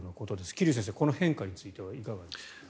桐生先生、この変化についてはいかがですか？